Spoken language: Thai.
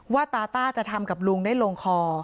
ว่าตาจะทำกับลุงได้โรงคอ